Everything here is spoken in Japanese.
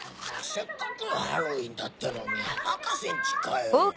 せっかくのハロウィンだってのに博士ん家かよ